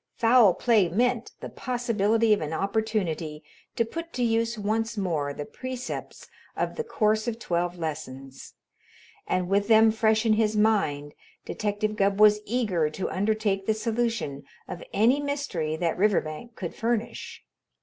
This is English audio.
Foul play meant the possibility of an opportunity to put to use once more the precepts of the Course of Twelve Lessons, and with them fresh in his mind Detective Gubb was eager to undertake the solution of any mystery that Riverbank could furnish.